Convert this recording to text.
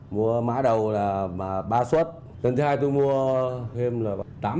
mua mã đầu là ba xuất lần thứ hai tôi mua thêm tám mã